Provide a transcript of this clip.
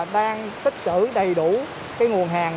đang tích cử đầy đủ cái nguồn hàng